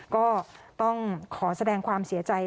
ก็ต้องขอแสดงความเสียใจ